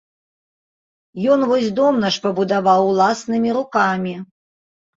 Ён вось дом наш пабудаваў уласнымі рукамі.